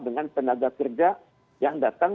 dengan tenaga kerja yang datang